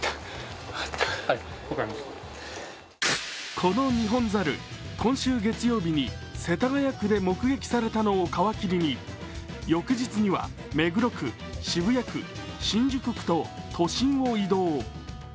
このニホンザル、今週月曜日に世田谷区で目撃されたのを皮切りに、翌日には目黒区、渋谷区、新宿区と都心を移動。